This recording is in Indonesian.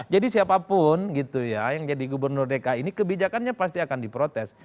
jadi siapapun gitu ya yang jadi gubernur dki ini kebijakannya pasti akan diprotes